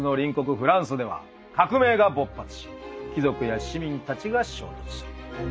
フランスでは革命が勃発し貴族や市民たちが衝突する。